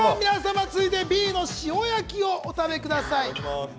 続いて、Ｂの塩焼きをお食べください。